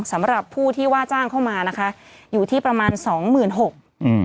สำหรับผู้ที่ว่าจ้างเข้ามานะคะอยู่ที่ประมาณสองหมื่นหกอืม